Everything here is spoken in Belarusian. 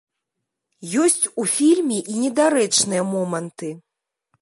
Ёсць у фільме і недарэчныя моманты.